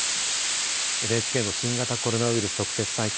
ＮＨＫの新型コロナウイルス特設サイト